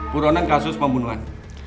buronan kasus pembunuhan